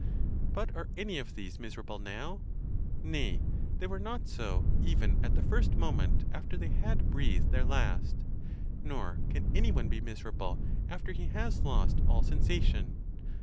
But are any of these miserable now? Nay, they were not so even at the first moment after they had breathed their last; nor can any one be miserable af ter he has lost all sensation.